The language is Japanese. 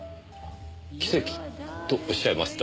奇跡？とおっしゃいますと？